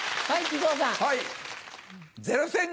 はい。